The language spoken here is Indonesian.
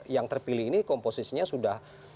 yang terpilih ini komposisinya sudah